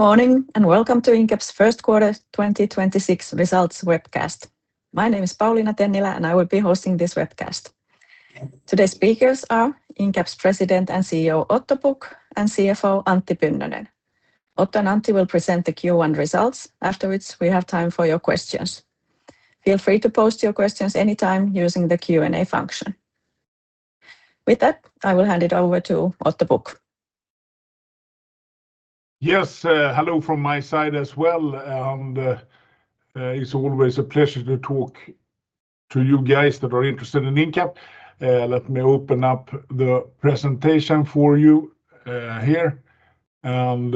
Morning and welcome to Incap's first quarter 2026 results webcast. My name is Pauliina Tennilä, and I will be hosting this webcast. Today's speakers are Incap's President and CEO, Otto Pukk, and CFO, Antti Pynnönen. Otto and Antti will present the Q1 results. Afterwards, we have time for your questions. Feel free to post your questions anytime using the Q&A function. With that, I will hand it over to Otto Pukk. Yes, hello from my side as well. It's always a pleasure to talk to you guys that are interested in Incap. Let me open up the presentation for you here, and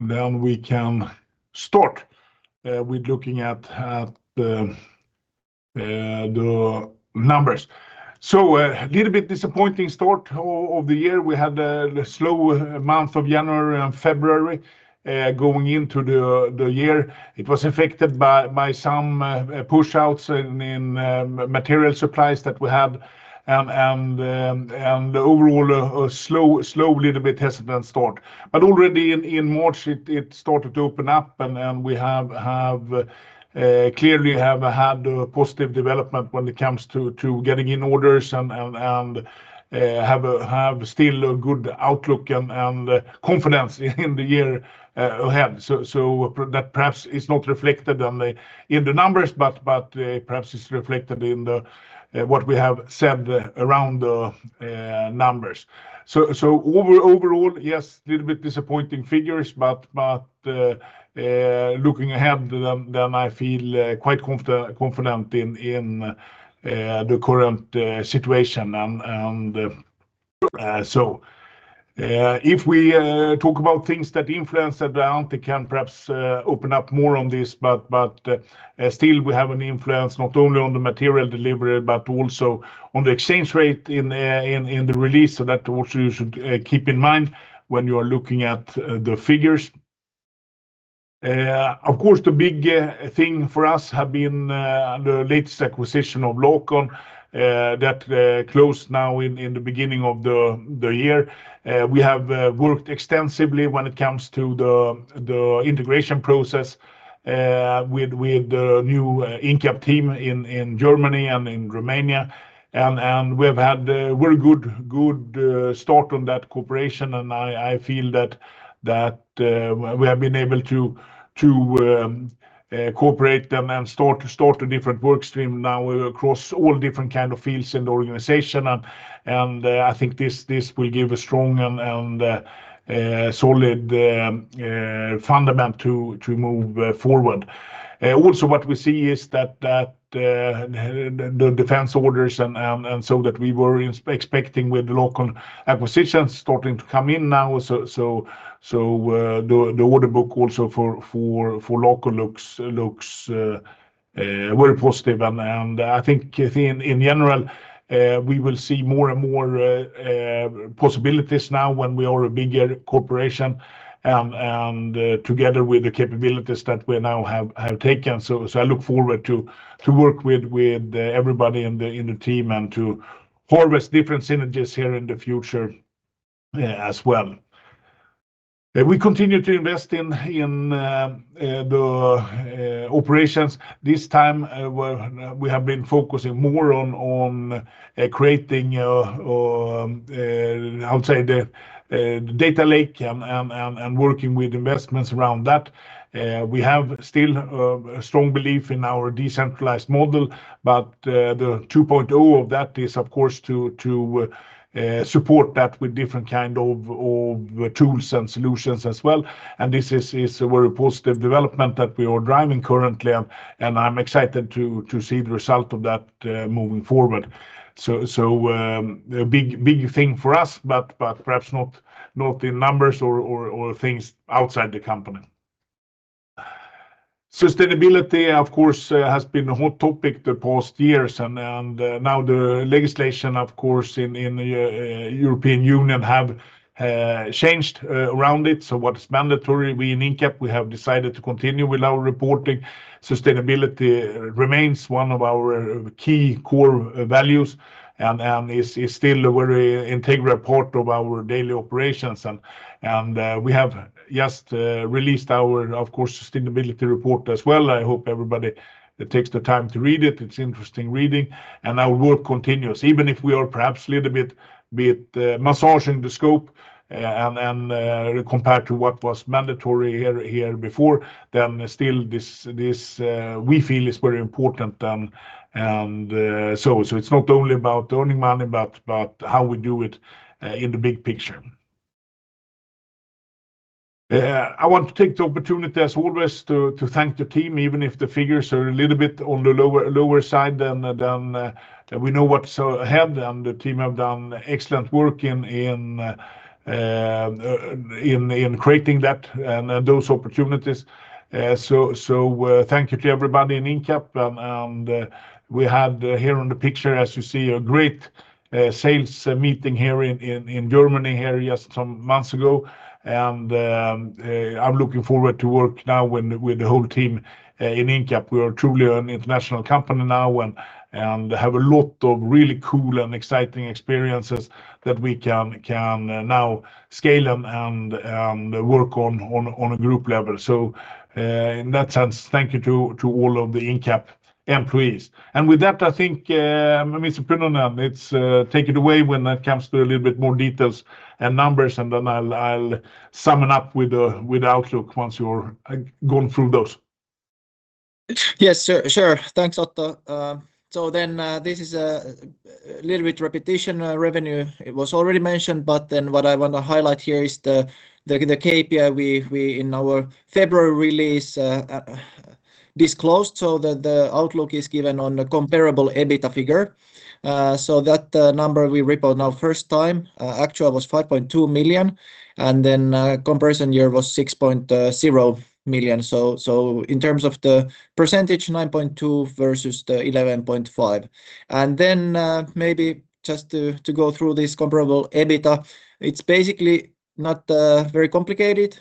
then we can start with looking at the numbers. A little bit disappointing start of the year. We had a slow month of January and February going into the year. It was affected by some pushouts in material supplies that we had and overall a slow, little bit hesitant start. Already in March, it started to open up and we have clearly had a positive development when it comes to getting in orders and have still a good outlook and confidence in the year ahead. That perhaps is not reflected in the numbers, but perhaps it's reflected in what we have said around the numbers. Overall, yes, little bit disappointing figures, but looking ahead, then I feel quite confident in the current situation. If we talk about things that influence that, Antti can perhaps open up more on this, but still we have an influence not only on the material delivery, but also on the exchange rate in the release. That also you should keep in mind when you are looking at the figures. Of course, the big thing for us have been the latest acquisition of Lacon, that closed now in the beginning of the year. We have worked extensively when it comes to the integration process with the new Incap team in Germany and in Romania. We've had a very good start on that cooperation. I feel that we have been able to cooperate them and start a different work stream now across all different kind of fields in the organization. I think this will give a strong and solid fundament to move forward. Also what we see is that the defense orders and so that we were expecting with Lacon acquisitions starting to come in now. The order book also for Lacon looks very positive. I think in general, we will see more and more possibilities now when we are a bigger corporation, and together with the capabilities that we now have taken. I look forward to work with everybody in the team and to harvest different synergies here in the future as well. We continue to invest in the operations. This time, we have been focusing more on creating I would say the data lake and working with investments around that. We have still a strong belief in our decentralized model, but the 2.0 of that is of course to support that with different kind of tools and solutions as well. This is a very positive development that we are driving currently, and I'm excited to see the result of that moving forward. A big thing for us, but perhaps not in numbers or things outside the company. Sustainability, of course, has been a hot topic the past years and now the legislation, of course, in the European Union have changed around it. What is mandatory, we in Incap, we have decided to continue with our reporting. Sustainability remains one of our key core values and is still a very integral part of our daily operations. We have just released our, of course, sustainability report as well. I hope everybody takes the time to read it. It's interesting reading. Our work continues. Even if we are perhaps a little bit massaging the scope, and, compared to what was mandatory here before, then still this we feel is very important. It's not only about earning money, but how we do it in the big picture. I want to take the opportunity as always to thank the team, even if the figures are a little bit on the lower side than we know what's ahead. The team have done excellent work in creating that and those opportunities. Thank you to everybody in Incap. We have here on the picture, as you see, a great sales meeting in Germany just some months ago. I'm looking forward to work now with the whole team in Incap. We are truly an international company now and have a lot of really cool and exciting experiences that we can now scale and work on a group level. In that sense, thank you to all of the Incap employees. With that, I think Mr. Pynnönen, it's take it away when it comes to a little bit more details and numbers, then I'll summon up with the outlook once you're gone through those. Yes, sure. Sure. Thanks, Otto. This is a little bit repetition, revenue. It was already mentioned, what I want to highlight here is the KPI we in our February release disclosed so that the outlook is given on a Comparable EBITDA figure. That number we report now first time, actual was 5.2 million, comparison year was 6.0 million. So in terms of the percentage, 9.2% versus the 11.5%. Maybe just to go through this Comparable EBITDA, it's basically not very complicated.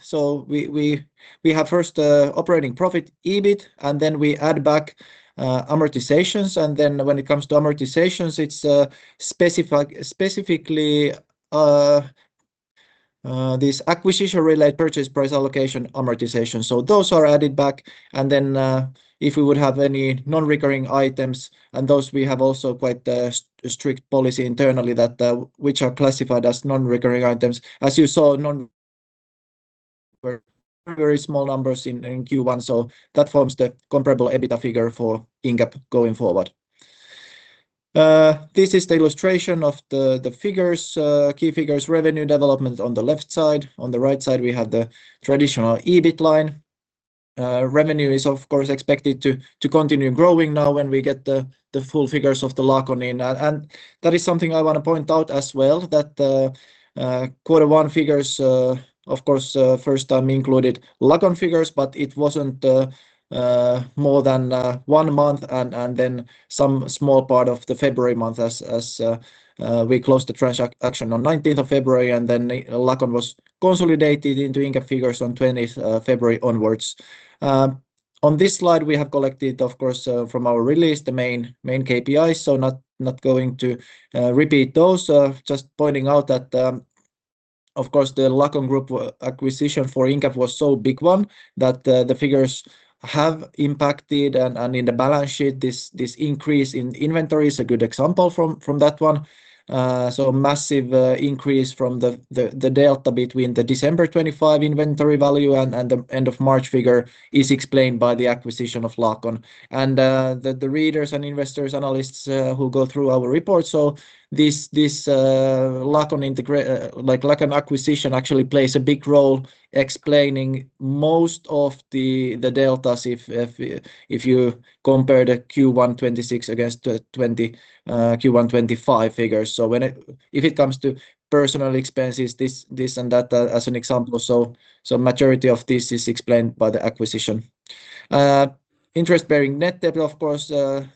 We have first operating profit, EBIT, we add back amortizations. When it comes to amortizations, it's specifically this acquisition-related purchase price allocation amortization. Those are added back. If we would have any non-recurring items, and those we have also quite a strict policy internally that which are classified as non-recurring items. As you saw, non... were very small numbers in Q1, so that forms the Comparable EBITDA figure for Incap going forward. This is the illustration of the figures, key figures, revenue development on the left side. On the right side, we have the traditional EBIT line. Revenue is of course expected to continue growing now when we get the full figures of the Lacon in. That is something I want to point out as well that Q1 figures, of course, first time included Lacon figures, but it wasn't more than one month and then some small part of the February month as we closed the transaction on 19th of February, and then Lacon was consolidated into Incap figures on 20th February onwards. On this slide, we have collected, of course, from our release, the main KPIs. Not going to repeat those. Just pointing out that, of course, the Lacon Group acquisition for Incap was so big one that the figures have impacted. In the balance sheet, this increase in inventory is a good example from that one. Massive increase from the delta between the December 2025 inventory value and the end of March figure is explained by the acquisition of Lacon. The readers and investors, analysts, who go through our report. This Lacon acquisition actually plays a big role explaining most of the deltas if you compare the Q1 2026 against the Q1 2025 figures. If it comes to personnel expenses, this and that, as an example. Majority of this is explained by the acquisition. Interest-bearing net debt, of course,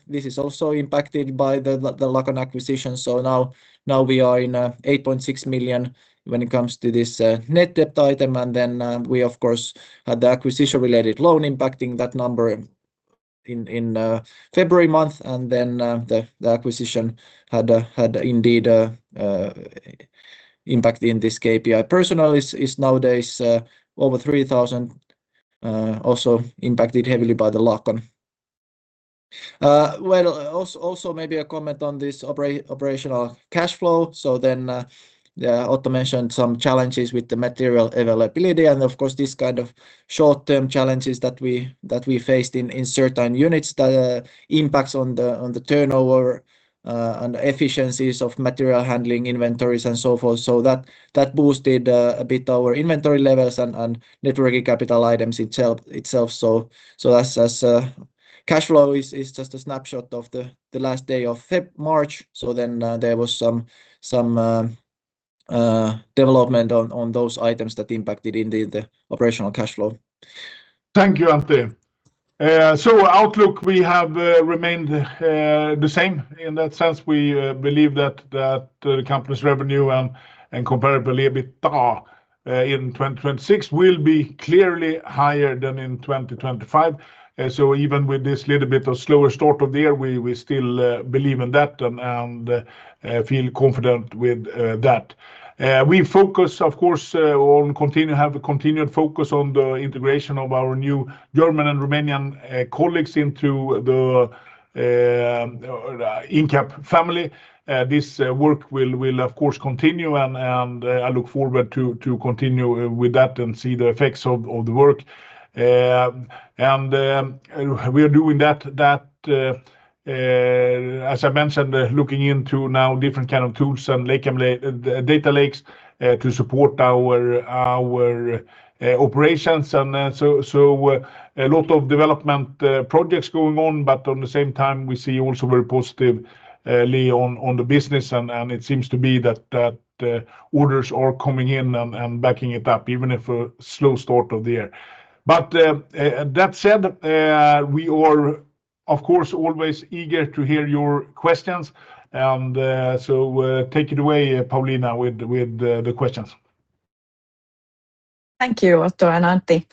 this is also impacted by the Lacon acquisition. Now we are at 8.6 million when it comes to this net debt item. We of course had the acquisition-related loan impacting that number in February, the acquisition had indeed a impact in this KPI. Personnel is nowadays over 3,000, also impacted heavily by the Lacon. Well, also maybe a comment on this operational cash flow. Otto mentioned some challenges with the material availability. Of course, this kind of short-term challenges that we faced in certain units that impacts on the turnover and efficiencies of material handling inventories and so forth. That boosted a bit our inventory levels and net working capital items itself. As cash flow is just a snapshot of the last day of February, March. There was some development on those items that impacted indeed the operational cash flow. Thank you, Antti. Outlook, we have remained the same. In that sense, we believe that the company's revenue and Comparable EBITDA in 2026 will be clearly higher than in 2025. Even with this little bit of slower start of the year, we still believe in that and feel confident with that. We focus, of course, on have a continued focus on the integration of our new German and Romanian colleagues into the Incap family. This work will of course continue and I look forward to continue with that and see the effects of the work. We are doing that, as I mentioned, looking into now different kind of tools and [lacam lake]—data lakes to support our operations. So a lot of development projects going on, but on the same time, we see also very positive lead on the business and it seems to be that orders are coming in and backing it up, even if a slow start of the year. That said, we are, of course, always eager to hear your questions, so take it away, Pauliina, with the questions. Thank you, Otto and Antti.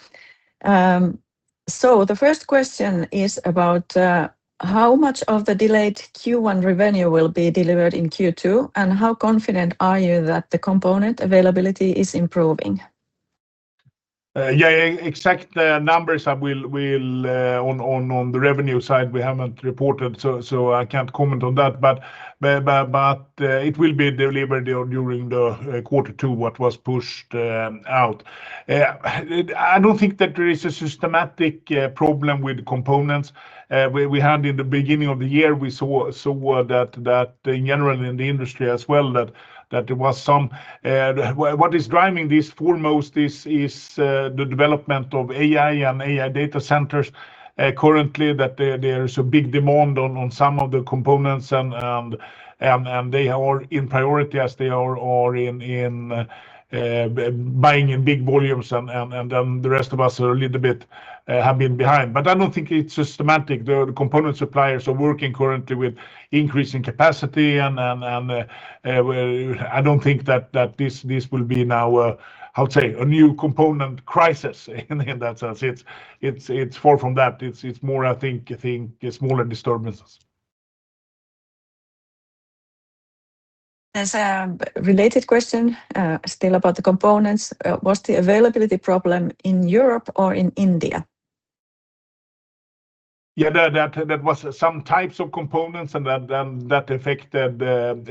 The first question is about how much of the delayed Q1 revenue will be delivered in Q2, and how confident are you that the component availability is improving? Exact numbers I will on the revenue side we haven't reported, so I can't comment on that. It will be delivered during the quarter two what was pushed out. I don't think that there is a systematic problem with components. We had in the beginning of the year, we saw that in general in the industry as well that there was some. What is driving this foremost is the development of AI and AI data centers. Currently there is a big demand on some of the components, and they are in priority as they are buying in big volumes, and then the rest of us have been a little bit behind. I don't think it's systematic. The component suppliers are working currently with increasing capacity. I don't think that this will be now a, how to say, a new component crisis in that sense. It's far from that. It's more, I think, smaller disturbances. There's a related question, still about the components. Was the availability problem in Europe or in India? Yeah, that was some types of components and that affected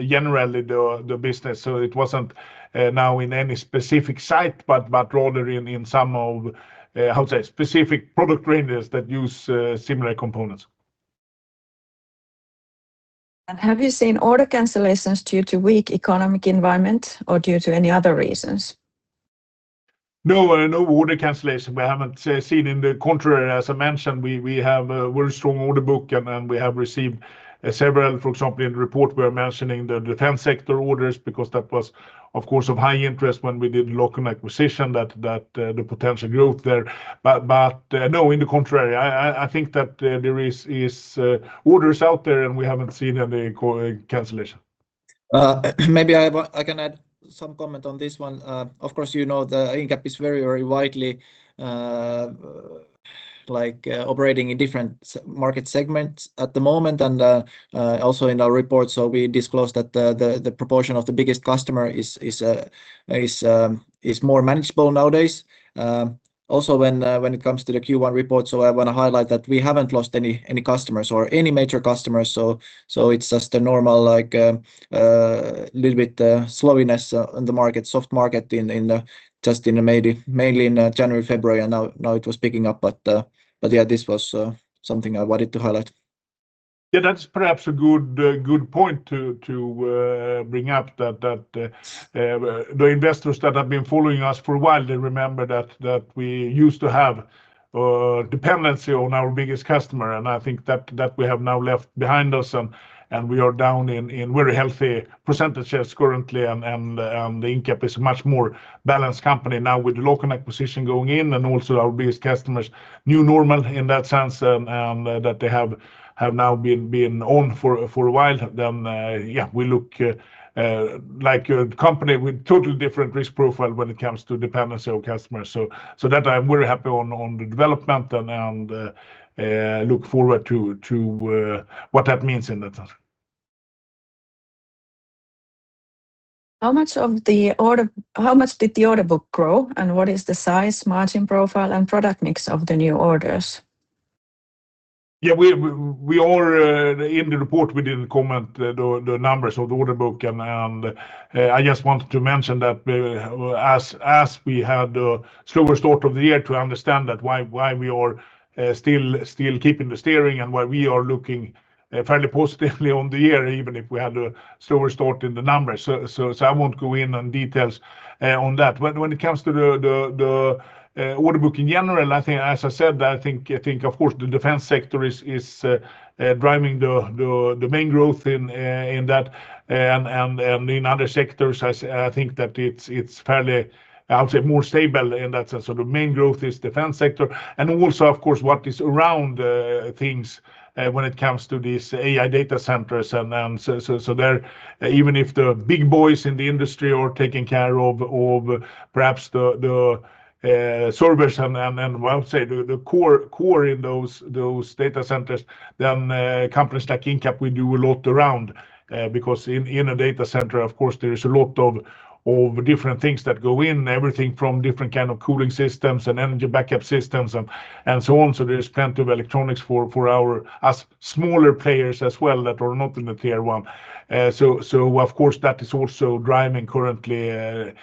generally the business. It wasn't now in any specific site, but rather in some of, how to say, specific product ranges that use similar components. Have you seen order cancellations due to weak economic environment or due to any other reasons? No. No order cancellation we haven't seen. On the contrary, as I mentioned, we have a very strong order book, and we have received several. For example, in the report we are mentioning the defense sector orders because that was, of course, of high interest when we did Lacon acquisition that the potential growth there. No, on the contrary. I think that there is orders out there, and we haven't seen any cancellation. Maybe I can add some comment on this one. Of course, you know the Incap is very widely operating in different market segments at the moment. Also in our report, so we disclosed that the proportion of the biggest customer is more manageable nowadays. Also when it comes to the Q1 report, so I wanna highlight that we haven't lost any customers or any major customers, so it's just a normal little bit slowiness in the market, soft market in just in maybe mainly in January, February and now it was picking up. But yeah, this was something I wanted to highlight. That's perhaps a good point to bring up that the investors that have been following us for a while, they remember that we used to have dependency on our biggest customer, and I think that we have now left behind us. We are down in very healthy percentages currently and Incap is much more balanced company now with Lacon acquisition going in, and also our biggest customers, new normal in that sense, that they have now been owned for a while. We look like a company with total different risk profile when it comes to dependency of customers. That I'm very happy on the development and look forward to what that means in the [future]. How much did the order book grow, and what is the size, margin profile, and product mix of the new orders? Yeah, we are in the report we didn't comment the numbers of the order book and I just wanted to mention that as we had a slower start of the year to understand that why we are still keeping the steering and why we are looking fairly positively on the year, even if we had a slower start in the numbers. I won't go in on details on that. When it comes to the order book in general, I think, as I said, I think of course the defense sector is driving the main growth in that. In other sectors, I think that it's fairly, how to say, more stable in that sense. The main growth is defense sector. Also of course what is around things when it comes to these AI data centers and so there, even if the big boys in the industry are taking care of perhaps the servers and how to say, the core in those data centers, then companies like Incap, we do a lot around. Because in a data center, of course, there is a lot of different things that go in. Everything from different kind of cooling systems and energy backup systems and so on. There's plenty of electronics for our as smaller players as well that are not in the Tier 1. Of course that is also driving currently,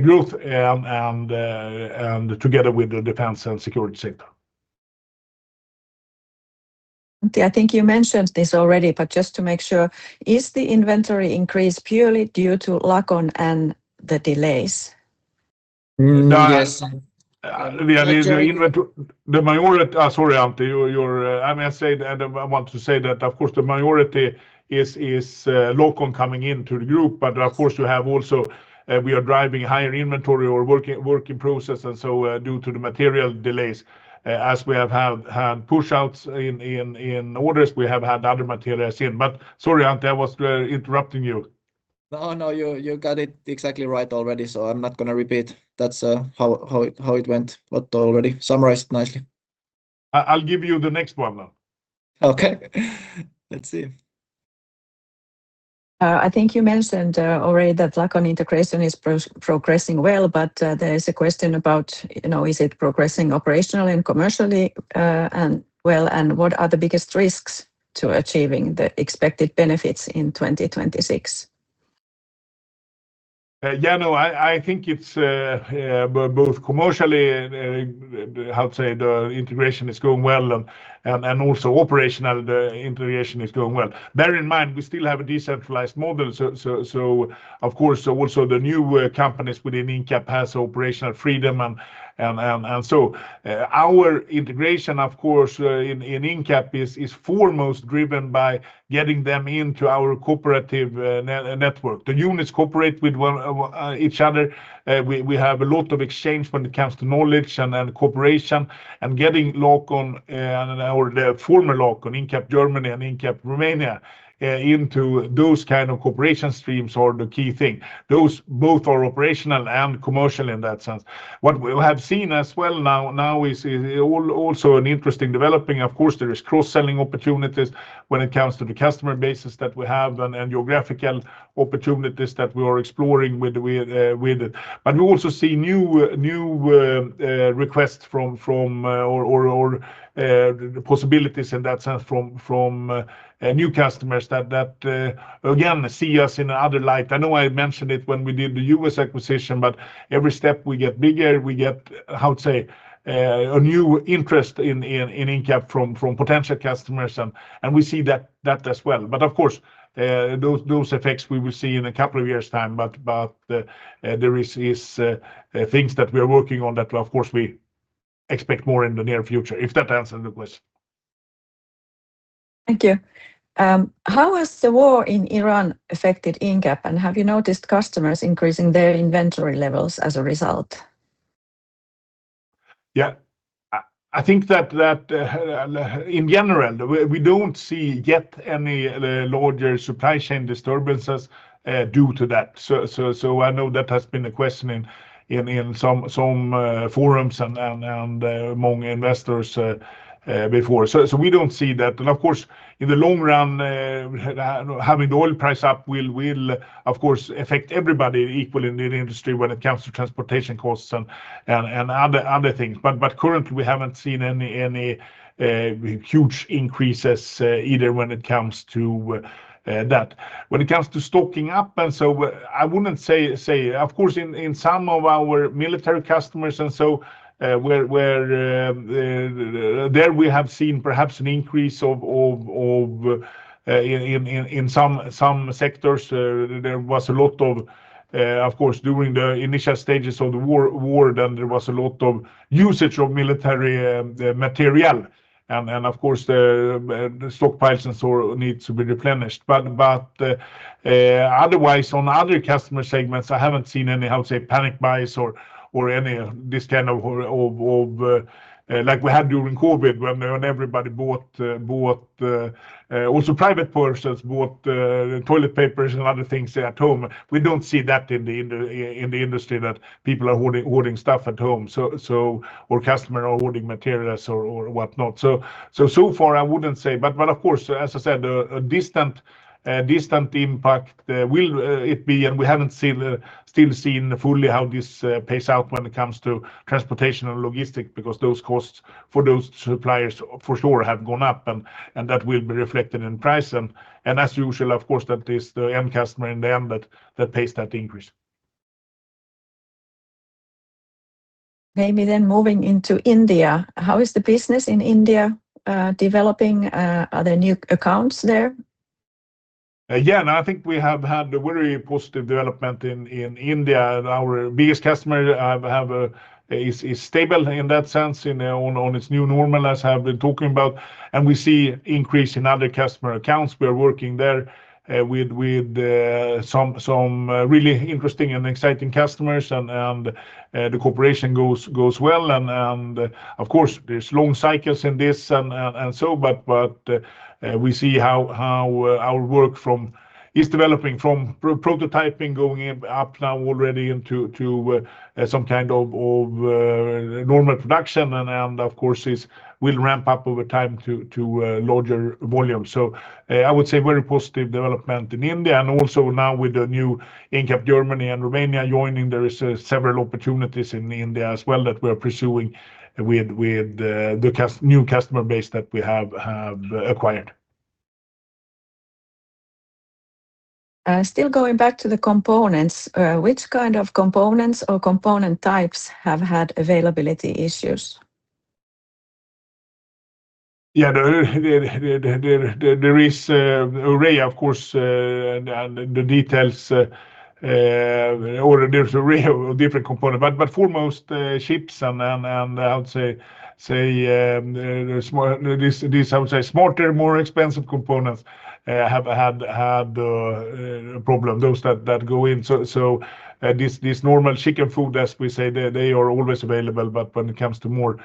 growth, and together with the defense and security sector. Antti, I think you mentioned this already, but just to make sure, is the inventory increase purely due to Lacon and the delays? Yes. The inventory— The majority. Sorry, Antti. I mean, I said, and I want to say that of course the majority is Lacon coming into the group. Of course we have also, we are driving higher inventory or working process due to the material delays, as we have had push outs in orders, we have had other materials in. Sorry, Antti, I was interrupting you. No, no, you got it exactly right already, so I'm not gonna repeat. That's how it went. Otto already summarized nicely. I'll give you the next one now. Okay. Let's see. I think you mentioned already that Lacon integration is progressing well, there is a question about, you know, is it progressing operationally and commercially, and well, and what are the biggest risks to achieving the expected benefits in 2026? I think it's both commercially and how to say, the integration is going well. Also operational, the integration is going well. Bear in mind, we still have a decentralized model. Of course, also the new companies within Incap has operational freedom, our integration, of course, in Incap is foremost driven by getting them into our cooperative network. The units cooperate with one each other. We have a lot of exchange when it comes to knowledge and cooperation and getting Lacon and, or the former Lacon, Incap Germany and Incap Romania into those kind of cooperation streams are the key thing. Those both are operational and commercial in that sense. What we have seen as well now is also an interesting developing. Of course, there is cross-selling opportunities when it comes to the customer bases that we have and geographical opportunities that we are exploring with. We also see new requests from or possibilities in that sense from new customers that again, see us in another light. I know I mentioned it when we did the U.S. acquisition, every step we get bigger, we get, how to say, a new interest in Incap from potential customers and we see that as well. Of course, those effects we will see in a couple of years' time. There is things that we are working on that of course we expect more in the near future. If that answered the question. Thank you. How has the war in Ukraine affected Incap, and have you noticed customers increasing their inventory levels as a result? Yeah. I think that in general, we don't see yet any larger supply chain disturbances due to that. I know that has been a question in some forums and among investors before. We don't see that. Of course, in the long run, having the oil price up will of course affect everybody equally in the industry when it comes to transportation costs and other things. Currently we haven't seen any huge increases either when it comes to that. When it comes to stocking up and so, I wouldn't say. In some of our military customers and so, there we have seen perhaps an increase in some sectors. There was a lot of course, during the initial stages of the war, then there was a lot of usage of military material and of course the stockpiles and so need to be replenished. Otherwise, on other customer segments, I haven't seen any, how to say, panic buys or any this kind of like we had during COVID when everybody bought also private persons bought toilet papers and other things at home. We don't see that in the industry that people are hoarding stuff at home, or customer are hoarding materials or whatnot. So far I wouldn't say. Of course, as I said, a distant impact will it be, and we haven't seen fully how this plays out when it comes to transportation and logistics, because those costs for those suppliers for sure have gone up and that will be reflected in price. As usual, of course, that is the end customer in the end that pays that increase. Maybe moving into India. How is the business in India developing? Are there new accounts there? Yeah, no, I think we have had a very positive development in India. Our biggest customer is stable in that sense, on its new normal, as I have been talking about. We see increase in other customer accounts. We are working there with some really interesting and exciting customers and the cooperation goes well. Of course there's long cycles in this, but we see how our work is developing from prototyping going up now already into some kind of normal production. Of course it will ramp up over time to larger volume. I would say very positive development in India and also now with the new Incap Germany and Romania joining, there is several opportunities in India as well that we are pursuing with the new customer base that we have acquired. Still going back to the components, which kind of components or component types have had availability issues? Yeah, there is a array of course, and the details, or there's a array of different component. Foremost, ships and I would say smarter, more expensive components have had a problem, those that go in. These normal chicken feed, as we say, they are always available, but when it comes to more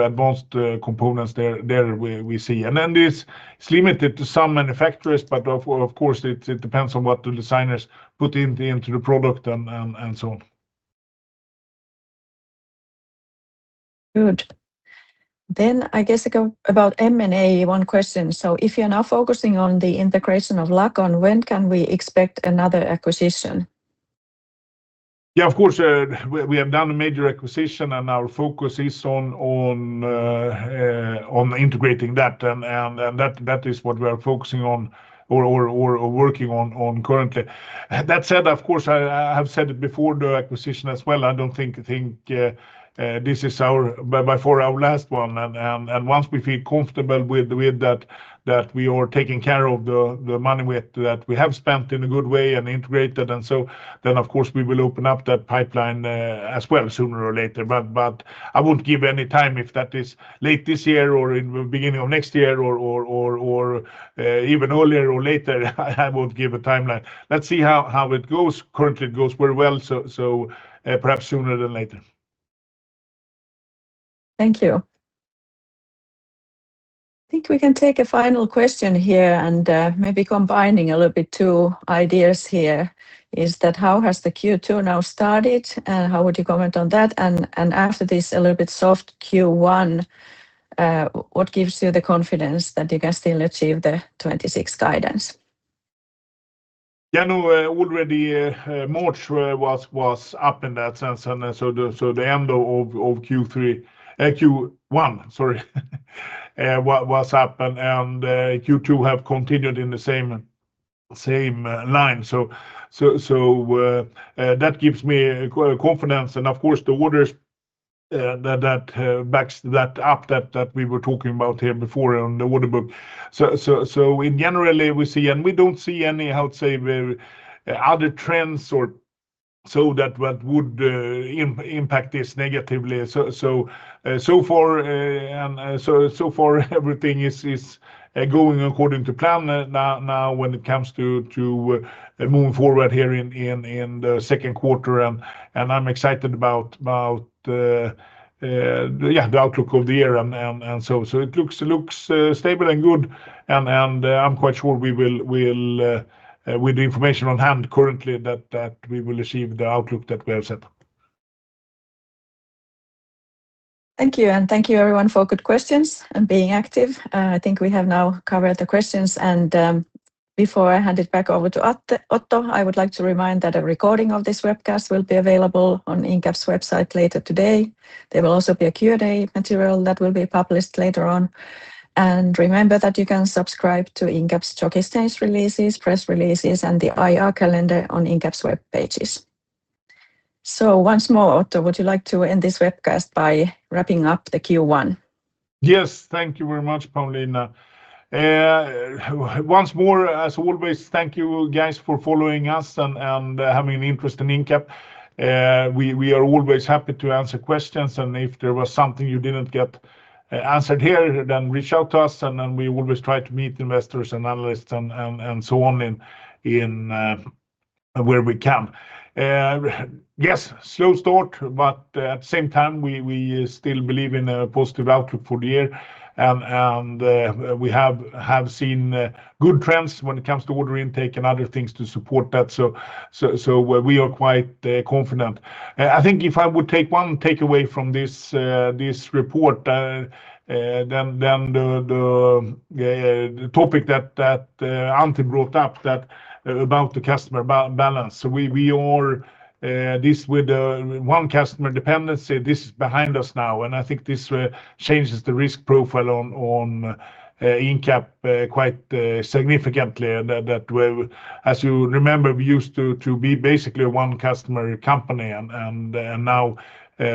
advanced components, they're where we see. This is limited to some manufacturers, of course, it depends on what the designers put into the product and so on. Good. I guess go about M&A, one question. If you're now focusing on the integration of Lacon, when can we expect another acquisition? Yeah, of course, we have done a major acquisition, and our focus is on integrating that, and that is what we are focusing on or working on currently. That said, of course, I have said it before the acquisition as well, I don't think this is our by far our last one. Once we feel comfortable with that we are taking care of the money that we have spent in a good way and integrated, of course we will open up that pipeline as well, sooner or later. I won't give any time if that is late this year, or in the beginning of next year, or even earlier or later, I won't give a timeline. Let's see how it goes. Currently, it goes very well, so perhaps sooner than later. Thank you. I think we can take a final question here, and maybe combining a little bit two ideas here, is that how has the Q2 now started, and how would you comment on that? After this, a little bit soft Q1, what gives you the confidence that you can still achieve the 2026 guidance? No, already March was up in that sense, the end of Q3, Q1 sorry, was up, Q2 has continued in the same line. That gives me confidence and of course the orders that backs that up, that we were talking about here before on the order book. Generally, we see. We don't see any, how to say, other trends or so that what would impact this negatively. So far, everything is going according to plan now when it comes to moving forward here in the second quarter. I'm excited about the outlook of the year. It looks stable and good, and I'm quite sure we'll with the information on hand currently that we will achieve the outlook that we have set. Thank you. Thank you everyone for good questions and being active. I think we have now covered the questions. Before I hand it back over to Otto, I would like to remind that a recording of this webcast will be available on Incap's website later today. There will also be a Q&A material that will be published later on. Remember that you can subscribe to Incap's stock exchange releases, press releases, and the IR calendar on Incap's web pages. Once more, Otto, would you like to end this webcast by wrapping up the Q1? Thank you very much, Pauliina. Once more, as always, thank you guys for following us and having an interest in Incap. We are always happy to answer questions, and if there was something you didn't get answered here, then reach out to us, and we always try to meet investors and analysts and so on where we can. Slow start, but at the same time, we still believe in a positive outlook for the year and we have seen good trends when it comes to order intake and other things to support that. We are quite confident. I think if I would take one takeaway from this report, then the topic that Antti brought up about the customer balance. We are this with one customer dependency, this is behind us now, and I think this changes the risk profile on Incap quite significantly. As you remember, we used to be basically a one customer company and now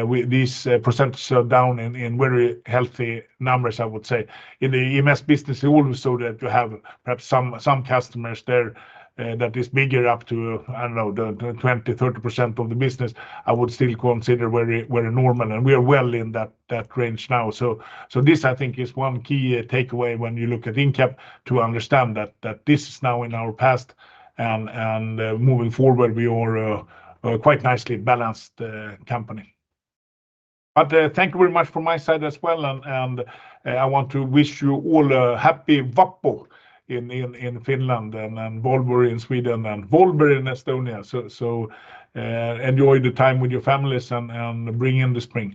we, this percentage are down in very healthy numbers, I would say. In the EMS business, you always saw that you have perhaps some customers there that is bigger, up to, I don't know, 20%-30% of the business. I would still consider very normal, and we are well in that range now. This, I think, is one key takeaway when you look at Incap to understand that this is now in our past and, moving forward, we are a quite nicely balanced company. Thank you very much from my side as well. I want to wish you all a happy Vappu in Finland, and Valborg in Sweden, and Valborg in Estonia. Enjoy the time with your families and bring in the spring.